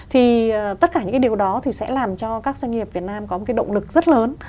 thì tất cả những cái điều đó thì sẽ làm cho các doanh nghiệp việt nam có một cái động lực rất lớn